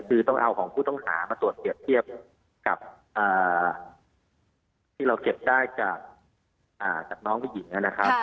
คือต้องเอาของผู้ต้องหามาตรวจเปรียบเทียบกับที่เราเก็บได้จากน้องผู้หญิงนะครับ